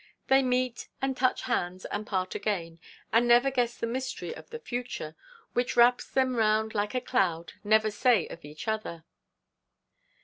They meet, and touch hands, and part again, and never guess the mystery of the future, which wraps them round like a cloud, never say of each other.